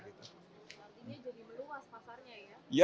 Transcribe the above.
artinya jadi meluas pasarnya ya